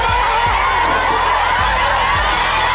เยี่ยม